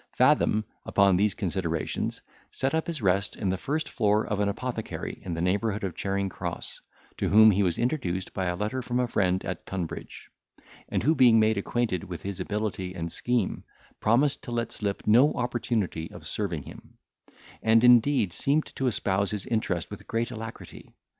Fathom, upon these considerations, set up his rest in the first floor of an apothecary in the neighbourhood of Charing Cross, to whom he was introduced by a letter from a friend at Tunbridge, and who being made acquainted with his ability and scheme, promised to let slip no opportunity of serving him; and, indeed, seemed to espouse his interest with great alacrity.